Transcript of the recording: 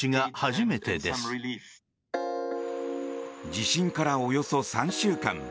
地震からおよそ３週間